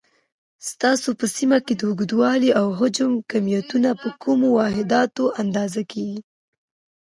ستاسو په سیمه کې د اوږدوالي، او حجم کمیتونه په کومو واحداتو اندازه کېږي؟